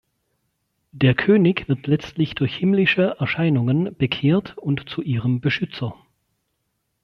Der König wird letztlich durch himmlische Erscheinungen bekehrt und zu ihrem Beschützer.